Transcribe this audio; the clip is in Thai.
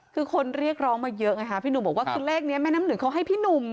คือคนเรียกร้องมาเยอะไงคะพี่หนุ่มบอกว่าคือเลขนี้แม่น้ำหนึ่งเขาให้พี่หนุ่ม